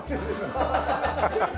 ハハハハ！